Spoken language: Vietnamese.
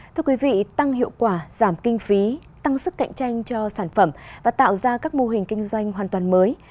thưa quý vị tăng hiệu quả giảm kinh phí tăng sức cạnh tranh cho sản phẩm và tạo ra các mô hình kinh doanh hoàn toàn mới